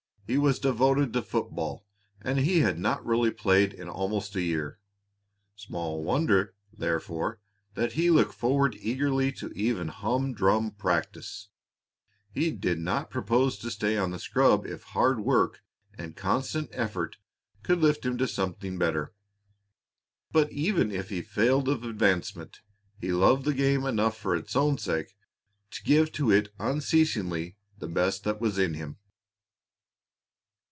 He was devoted to football, and he had not really played in almost a year. Small wonder, therefore, that he looked forward eagerly to even humdrum practice. He did not propose to stay on the scrub if hard work and constant effort could lift him to something better. But even if he failed of advancement, he loved the game enough for its own sake to give to it unceasingly the best that was in him.